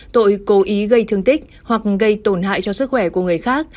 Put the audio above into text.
tội cố ý gây thương tích hoặc gây tổn hại cho sức khỏe của người khác